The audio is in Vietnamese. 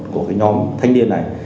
của nhóm thanh niên này